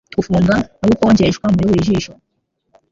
Gufunga no gukonjeshwa muri buri jisho.